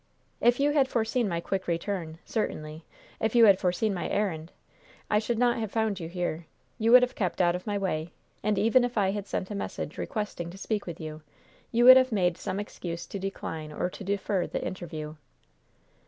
"If you had foreseen my quick return certainly, if you had foreseen my errand I should not have found you here; you would have kept out of my way; and even if I had sent a message requesting to speak with you, you would have made some excuse to decline or to defer the interview."